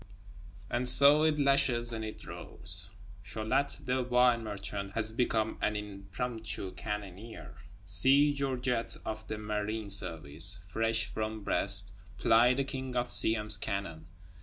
And so it lashes and it roars. Cholat the wine merchant has become an impromptu cannoneer. See Georget of the marine service, fresh from Brest, ply the King of Siam's cannon.